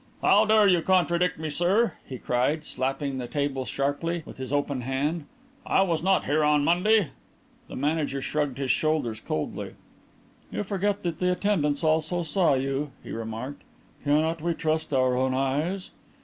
"How dare you contradict me, sir!" he cried, slapping the table sharply with his open hand. "I was not here on Monday." The manager shrugged his shoulders coldly. "You forget that the attendants also saw you," he remarked. "Cannot we trust our own eyes?"